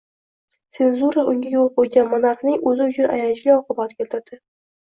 Senzura unga yo‘l qo‘ygan monarxning o‘zi uchun ayanchli oqibat keltirdi.